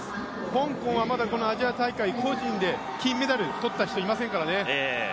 香港はまだアジア大会、個人で金メダル取った人がいませんからね。